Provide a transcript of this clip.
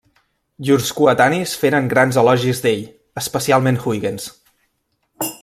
Llurs coetanis feren grans elogis d'ell, especialment Huygens.